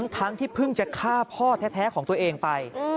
ทั้งที่เพิ่งจะฆ่าพ่อแท้ของตัวเองไป